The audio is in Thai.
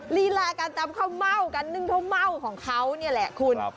ลีลาการตำข้าวเม่าการนึ่งข้าวเม่าของเขานี่แหละคุณ